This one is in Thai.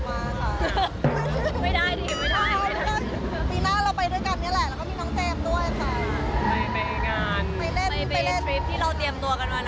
ยังไม่ได้ลงค่ะยังไม่ได้ลง